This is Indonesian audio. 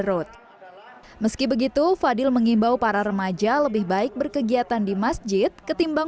road meski begitu fadil mengimbau para remaja lebih baik berkegiatan di masjid ketimbang